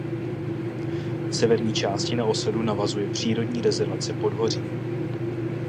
V severní části na osadu navazuje přírodní rezervace Podhoří.